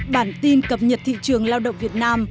bản tin cập nhật thị trường lao động việt nam